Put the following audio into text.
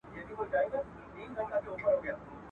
o فقر بې مائې کسب دئ.